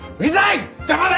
黙れ！